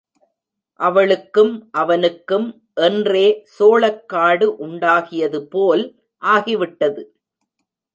அவளுக்கும் அவனுக்கும் என்றே சோளக்காடு உண்டாகியது போல் ஆகிவிட்டது.